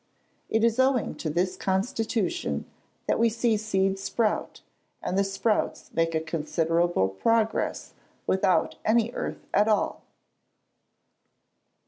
It is owing to this constitution that we see seeds sprout, and the sprouts make a considerable progress, without any earth at all.